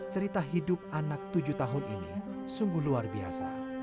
cerita hidup anak tujuh tahun ini sungguh luar biasa